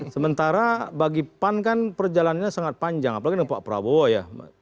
sementara bagi pan kan perjalanannya sangat panjang apalagi dengan pak prabowo ya